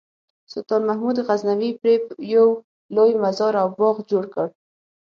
سلطان محمود غزنوي پرې یو لوی مزار او باغ جوړ کړ.